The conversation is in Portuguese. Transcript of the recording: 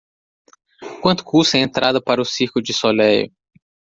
quanto custa o a entrada para o circo de Soleil